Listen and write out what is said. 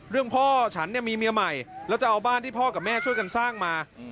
พ่อฉันเนี่ยมีเมียใหม่แล้วจะเอาบ้านที่พ่อกับแม่ช่วยกันสร้างมา